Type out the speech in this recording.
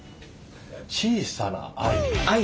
「小さな愛」。